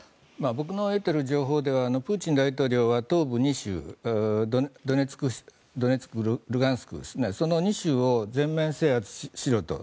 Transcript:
僕の得ている情報ではプーチン大統領は東部２州のドネツク、ルガンスクその２州を全面制圧しろと。